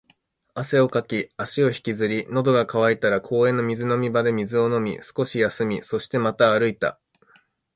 汗をかき、足を引きずり、喉が渇いたら公園の水飲み場で水を飲み、少し休み、そしてまた歩いた